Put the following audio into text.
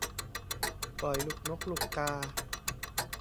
ปล่อยลูกนกลูกกา